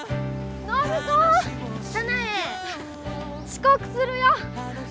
遅刻するよ！